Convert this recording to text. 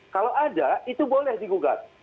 kalau ada itu boleh digugat